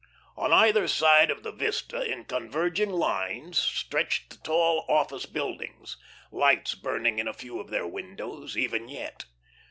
On either side of the vista in converging lines stretched the tall office buildings, lights burning in a few of their windows, even yet.